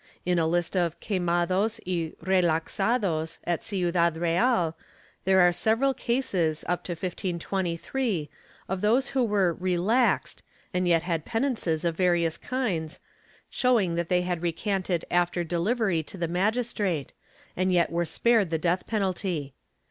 In a list of quemados y relaxados at Ciudad Real, there are several cases, up to 1523, of those who were ''relaxed" and yet had penances of various kinds, showing that they had recanted after delivery to the magistrate and yet were spared the death penalty.